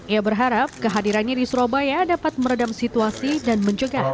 ia berharap kehadirannya di surabaya dapat meredam situasinya